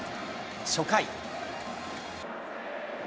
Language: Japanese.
初回。